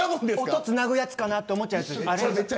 音つなぐやつかなって思っちゃうんです。